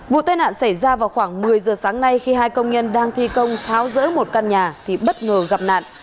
vụ tai nạn xảy ra vào khoảng một mươi giờ sáng nay khi hai công nhân đang thi công tháo rỡ một căn nhà thì bất ngờ gặp nạn